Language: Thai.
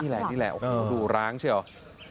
นี่แหละนี่แหละดูร้างใช่หรือ